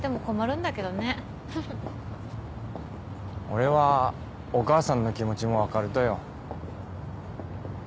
俺はお母さんの気持ちもわかるとよ。